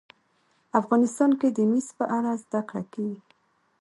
افغانستان کې د مس په اړه زده کړه کېږي.